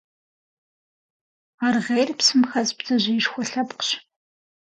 Аргъейр псым хэс бдзэжьеишхуэ лъэпкъщ.